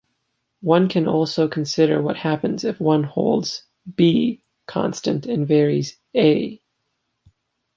One can also consider what happens if one holds "b" constant and varies "a".